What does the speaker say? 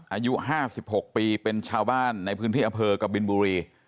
อายุห้าสิบหกปีเป็นชาวบ้านในพื้นที่อเภอกับบิลบุรี